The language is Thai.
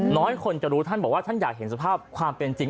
น้อยคนจะรู้ท่านบอกว่าท่านอยากเห็นสภาพความเป็นจริง